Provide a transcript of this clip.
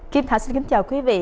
kim thảo xin kính chào quý vị